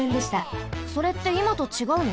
それっていまとちがうの？